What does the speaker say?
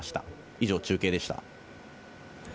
以上、中継でした。